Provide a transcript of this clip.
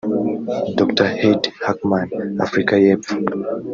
Dr Heide Hackmann (Afurika y’Epfo)